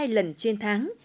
hai lần trên tháng